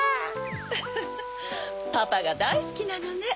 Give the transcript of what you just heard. フフフパパがだいすきなのね。